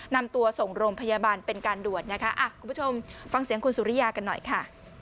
นำตัวส่งโรงพยาบาลเป็นการด่วนนะคะคุณผู้ชมฟังเสียงคุณสุริยากันหน่อยค่ะ